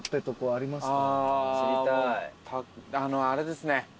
あれですね。